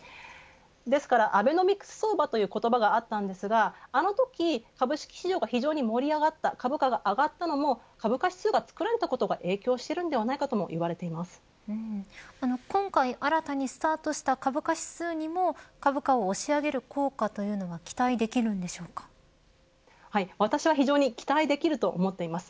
ですから、アベノミクス相場という言葉があったんですがあのとき株式市場が非常に盛り上がった株価が上がったのも株価指数が作られたことが影響しているとも今回新たにスタートした株価指数にも株価を押し上げる効果というのは私は非常に期待できると思っています。